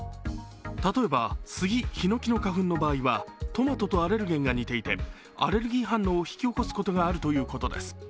例えば、スギ・ヒノキの花粉の場合はトマトとアレルゲンが似ていてアレルギー反応を引き起こすことがあるということです。